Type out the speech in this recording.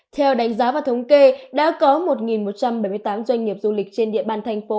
theo đánh giá và thống kê đã có một một trăm bảy mươi tám doanh nghiệp du lịch trên địa bàn thành phố